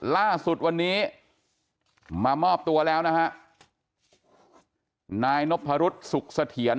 ล่าสุดวันนี้มามอบตัวแล้วนะฮะนายนพรุษสุขเสถียร